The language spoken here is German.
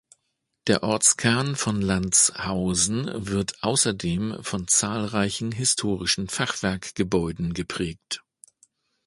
Der Ortskern von Landshausen wird außerdem von zahlreichen historischen Fachwerkgebäuden geprägt.